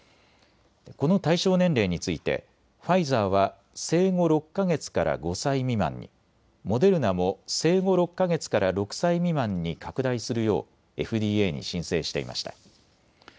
この対象年齢についてファイザーは生後６か月から５歳未満に、モデルナも生後６か月から６歳未満に拡大するようＦＤＡに申請していました。